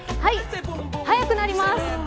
速くなります。